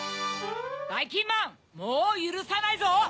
ばいきんまんもうゆるさないぞ！